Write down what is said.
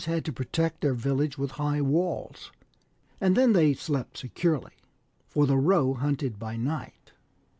23 had to protect their village with high walls,* and then they slept securely, for the Roh hunted by night.